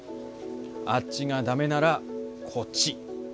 あっちがダメならこっち。